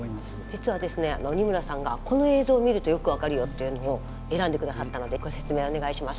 実はですね二村さんがこの映像を見るとよく分かるよっていうのを選んでくださったのでご説明をお願いします。